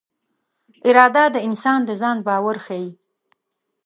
اراده د انسان د ځان باور ښيي.